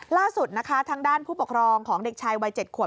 ล่าสุดนะคะทางด้านผู้ปกครองของเด็กชายวัย๗ขวบ